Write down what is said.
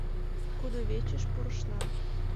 Кудывечыш пурышна.